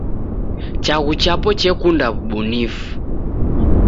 Chaghu chapo chekunda w'ubunifu.